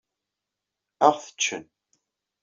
Ad aɣ-t-ččen.